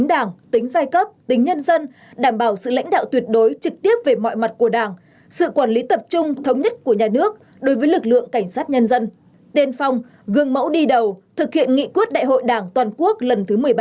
bộ trưởng tô lâm đặt ra đối với lực lượng cảnh sát nhân dân trong thời gian tới